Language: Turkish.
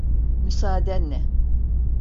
Müsaadenle.